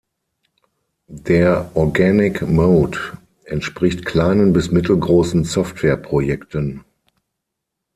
Der Organic Mode entspricht kleinen bis mittelgroßen Softwareprojekten.